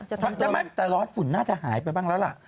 ได้ไหมแต่ร้อนฝุ่นน่าจะหายไปบ้างแล้วล่ะ